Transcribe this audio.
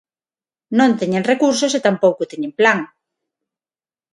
Non teñen recursos e tampouco teñen plan.